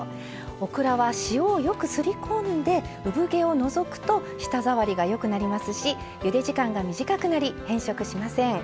オクラは塩をよくすりこんでうぶ毛を除くと舌触りがよくなりますしゆで時間が短くなり変色しません。